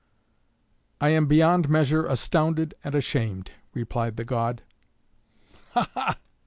"I am beyond measure astounded and ashamed," replied the god. "Ha! ha!"